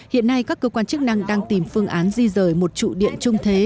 hiện nay các cơ quan chức năng đang tìm phương án di rời một trụ điện trung thế